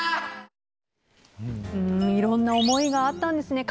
いろんな思いがあったんですね。